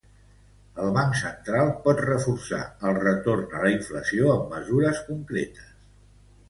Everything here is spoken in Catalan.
El banc central pot reforçar el retorn a la inflació amb mesures concretes.